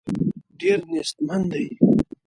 ډېر نېستمن دي.